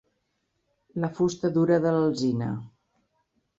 La fusta dura de l'alzina.